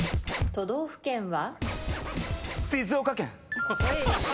都道府県は？